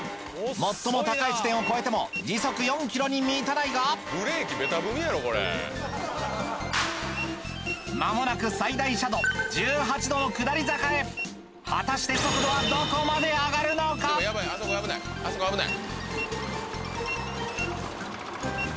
最も高い地点を超えても時速４ｋｍに満たないがまもなく最大斜度１８度の下り坂へ果たしてヤバいあそこ危ないあそこ危ない。